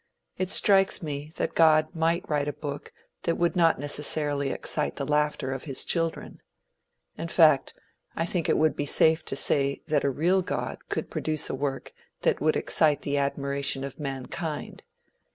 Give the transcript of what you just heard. It strikes me that God might write a book that would not necessarily excite the laughter of his children. In fact, I think it would be safe to say that a real God could produce a work that would excite the admiration of mankind.